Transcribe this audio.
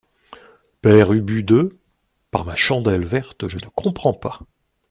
Père Ubu De par ma chandelle verte, je ne comprends pas.